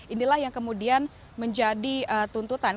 inilah yang kemudian menjadi tuntutan